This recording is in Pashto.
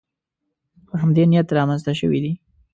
په همدې نیت رامنځته شوې دي